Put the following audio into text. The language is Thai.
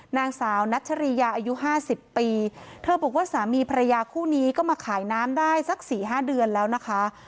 นางสาวนัชริยาอายุห้าสิบปีเธอบอกว่าสามีภรรยาคู่นี้ก็มาขายน้ำได้สักสี่ห้าเดือนแล้วนะคะ